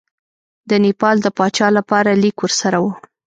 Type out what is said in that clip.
د نیپال د پاچا لپاره لیک ورسره وو.